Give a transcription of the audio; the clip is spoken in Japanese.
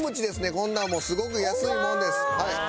こんなんすごく安いものです。